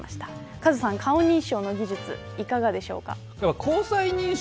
カズさん、顔認証の技術いかがでしたか。